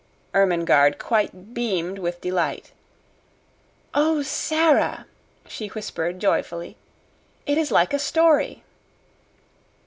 '" Ermengarde quite beamed with delight. "Oh, Sara!" she whispered joyfully. "It is like a story!"